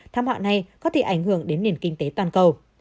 tham họa này có thể ảnh hưởng đến nền kinh tế toàn cầu